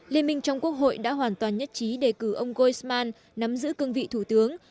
liên minh trong quốc hội đã hoàn toàn nhất trí đề cử ông goisman nắm giữ cương vị thủ tướng